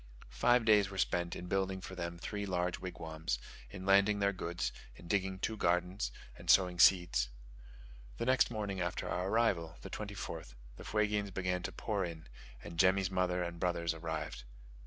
Five days were spent in building for them three large wigwams, in landing their goods, in digging two gardens, and sowing seeds. The next morning after our arrival (the 24th) the Fuegians began to pour in, and Jemmy's mother and brothers arrived.